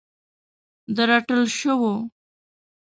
د رټل شوو